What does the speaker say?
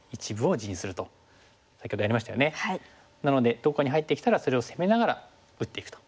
なのでどこかに入ってきたらそれを攻めながら打っていくと。